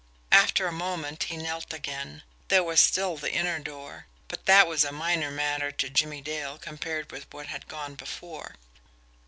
After a moment, he knelt again. There was still the inner door but that was a minor matter to Jimmie Dale compared with what had gone before.